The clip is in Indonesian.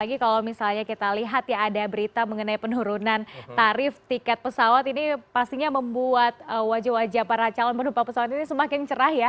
apalagi kalau misalnya kita lihat ya ada berita mengenai penurunan tarif tiket pesawat ini pastinya membuat wajah wajah para calon penumpang pesawat ini semakin cerah ya